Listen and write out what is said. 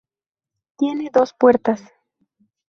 Tiene dos puertas.